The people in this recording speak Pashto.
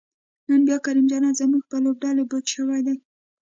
نن بیا کریم جنت زمونږ په لوبډلی بوج شوی دی